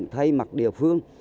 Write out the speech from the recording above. thay mặt địa phương